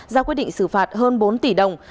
ra quyết định xử phạt hơn bốn tỷ đồng